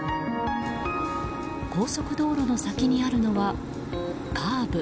高速道路の先にあるのはカーブ。